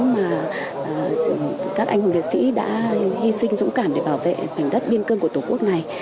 mà các anh hùng liệt sĩ đã hy sinh dũng cảm để bảo vệ mảnh đất biên cơm của tổ quốc này